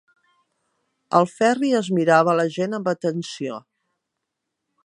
El Ferri es mirava la gent amb atenció.